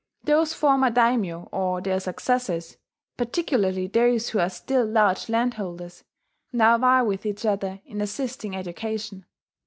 Those former daimyo or their successors particularly those who are still large landholders now vie with each other in assisting education.